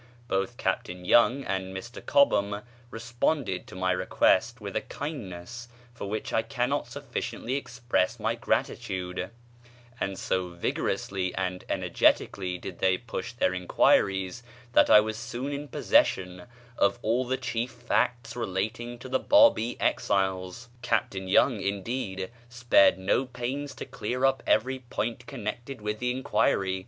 Both Captain Young and Mr Cobham responded to my request with a kindness for which I cannot sufficiently express my gratitude; and so vigorously and energetically did they push their enquiries that I was soon in possession of all the chief facts relating to the Bábí exiles. Captain Young, indeed, spared no pains to clear up every point connected with the enquiry.